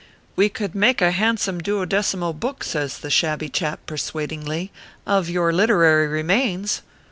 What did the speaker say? We could make a hand some 12mo book/ says the shabby chap, persuadingly, " of your literary remains.